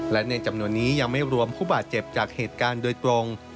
และในจำนวนนี้ยังไม่รวมผู้บาดเจ็บจากเหตุการณ์โดยตรง